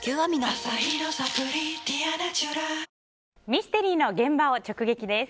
ミステリーの現場を直撃です。